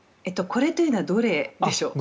これというのはどれでしょうか。